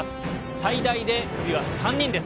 最大でクビは３人です。